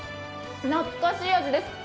懐かしい味です。